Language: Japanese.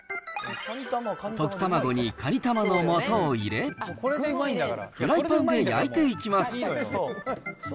溶き卵にかに玉の素を入れ、フライパンで焼いていきます。